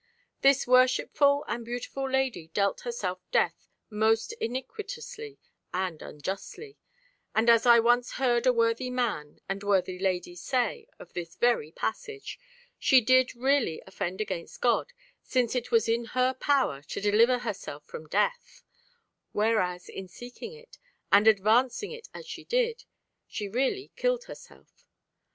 This worshipful and beautiful lady dealt herself death most iniquitously and unjustly; and as I once heard a worthy man and worthy lady say of this very passage, she did really offend against God, since it was in her power to deliver herself from death; whereas in seeking it and advancing it as she did, she really killed herself.